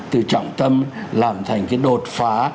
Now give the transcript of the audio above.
từ trọng tâm làm thành cái đột phá